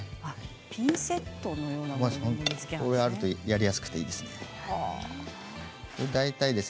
ピンセットがあるとやりやすくていいですね。